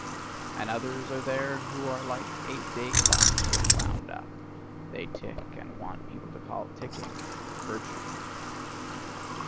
And others are there who are like eight day clocks when wound up; they tick, and want people to call ticking virtue.